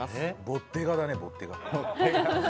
ボッテガだねボッテガ。